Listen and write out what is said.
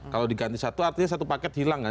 kalau diganti satu artinya satu paket hilang kan